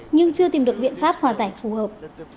nhưng chưa tìm được biện pháp hòa giải phù hợp